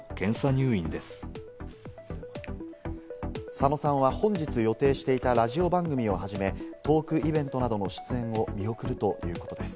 佐野さんは本日予定していたラジオ番組をはじめ、トークイベントなどの出演を見送るということです。